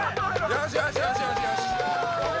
よしよしよしよし！